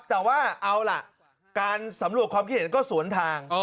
แต่ว่าเอาล่ะการสำรวจความคิดเห็นก็สวนทาง